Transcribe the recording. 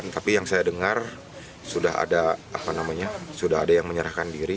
tapi yang saya dengar sudah ada yang menyerahkan diri